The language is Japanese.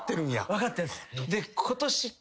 分かってるんです。